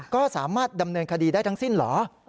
ก็สามารถดำเนินคดีได้ทั้งสิ้นเหรอ